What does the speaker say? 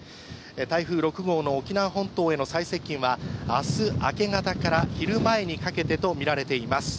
台風６号の沖縄本島の最接近は明日明け方から昼前にかけてとみられています。